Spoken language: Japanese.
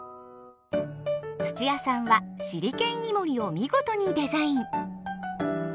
土屋さんはシリケンイモリを見事にデザイン。